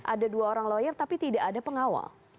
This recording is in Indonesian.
ada dua orang lawyer tapi tidak ada pengawal